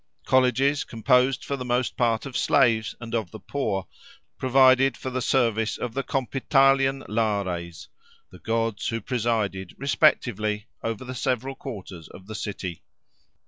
Colleges, composed for the most part of slaves and of the poor, provided for the service of the Compitalian Lares—the gods who presided, respectively, over the several quarters of the city.